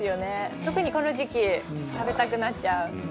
特にこの時期食べたくなっちゃう。